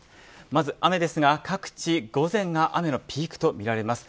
まず雨ですが各地、午前が雨のピークと見られます。